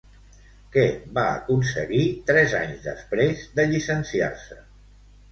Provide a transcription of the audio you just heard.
Què va aconseguir tres anys després de llicenciar-se?